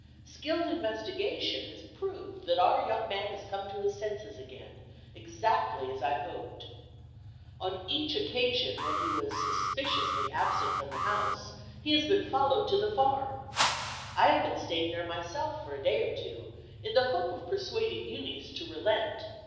Skilled investigation has proved that our young man has come to his senses again, exactly as I supposed. On each occasion when he was suspiciously absent from the house, he has been followed to the farm. I have been staying there myself for a day or two, in the hope of persuading Eunice to relent.